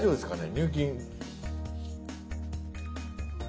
入金。